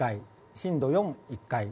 震度４、１回。